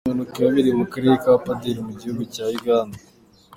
Iyi mpanuka yabereye mu karere ka Pader mu gihugu cya Uganda.